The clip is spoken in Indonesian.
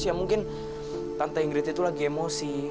ya mungkin tante inggris itu lagi emosi